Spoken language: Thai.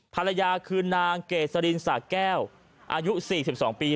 ภรรยาคือนางเกษรินสะแก้วอายุ๔๒ปี